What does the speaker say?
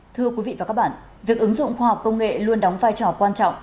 thưa quý vị và các bạn việc ứng dụng khoa học công nghệ luôn đóng vai trò quan trọng